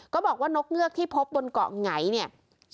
บอกว่านกเงือกที่พบบนเกาะไงเนี่ย